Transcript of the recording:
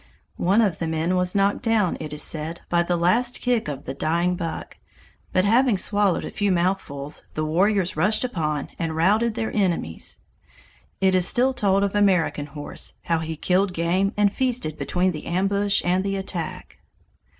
One of the men was knocked down, it is said, by the last kick of the dying buck, but having swallowed a few mouthfuls the warriors rushed upon and routed their enemies. It is still told of American Horse how he killed game and feasted between the ambush and the attack.